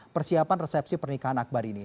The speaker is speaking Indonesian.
persiapan resepsi pernikahan akbar ini